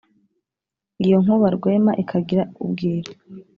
Iyo nkuba Rwema ikagira ubwira